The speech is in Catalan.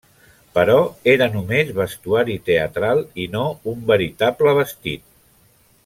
Però era només vestuari teatral i no un veritable vestit.